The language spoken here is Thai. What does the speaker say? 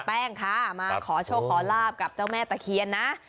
แป้งค่ะมาขอโชคขอลาบกับเจ้าแม่ตะเคียนนะ